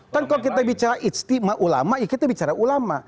kan kalau kita bicara istimewa ulama ya kita bicara ulama